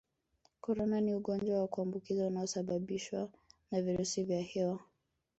Corona ni ugonjwa wa kuambukiza unaosababishwa na virusi vya hewa